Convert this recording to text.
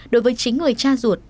đối với chính người cha ruột